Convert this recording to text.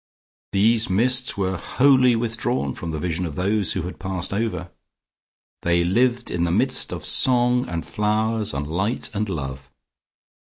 These mists were wholly withdrawn from the vision of those who had passed over. They lived in the midst of song and flowers and light and love....